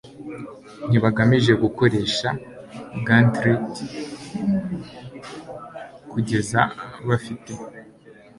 ntibagamije gukoresha gantlet kugeza bafite